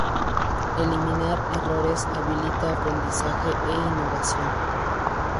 Eliminar errores habilita aprendizaje e innovación.